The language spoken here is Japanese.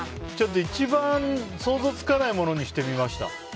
一番、想像つかないものにしてみました。